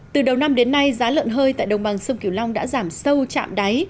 từ đầu năm đến nay giá lợn hơi tại đồng bằng sông kiều long đã giảm sâu trạm đáy